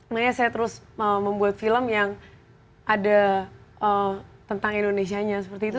makanya saya terus membuat film yang ada tentang indonesia nya seperti itu